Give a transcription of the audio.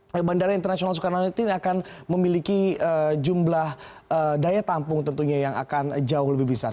nah bandara internasional soekarno hatta ini akan memiliki jumlah daya tampung tentunya yang akan jauh lebih besar